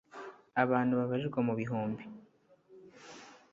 abantu babarirwa mu bihumbi